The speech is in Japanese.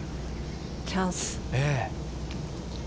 チャンス。